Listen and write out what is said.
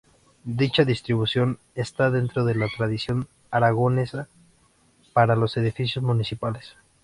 Dicha distribución está dentro de la tradición aragonesa para los edificios municipales.